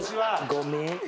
ごめん。